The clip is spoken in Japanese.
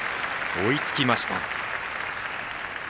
追いつきました。